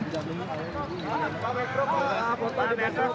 di betrop pak